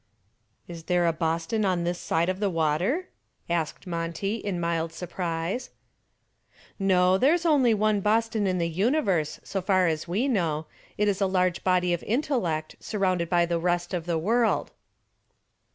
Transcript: "Is there a Boston on this side of the water?" asked Monty in mild surprise. "No; there is only one Boston in the universe, so far as we know. It is a large body of intellect surrounded by the rest of the world."